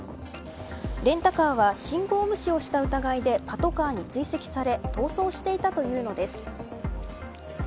レンタカーは、信号無視をした疑いでパトカーに追跡され逃走していたというのです。